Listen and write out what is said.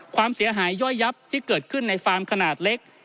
ความเสียหายย่อยยับที่เกิดขึ้นในฟาร์มขนาดเล็ก